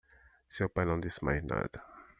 Seu pai não disse mais nada.